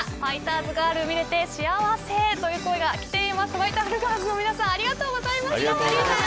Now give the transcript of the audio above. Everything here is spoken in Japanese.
ファイターズガールの皆さんありがとうございました。